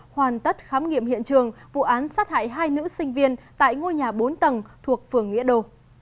hoàn tất khám nghiệm hiện trường vụ án sát hại hai nữ sinh viên tại ngôi nhà bốn tầng thuộc phường nghĩa đô